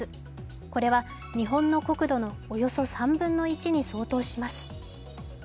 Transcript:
これは日本の国土のおよそ３分の１に相当します。